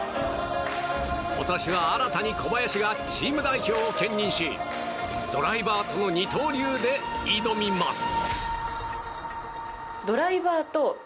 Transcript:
今年は新たに小林がチーム代表を兼任しドライバーとの二刀流で挑みます。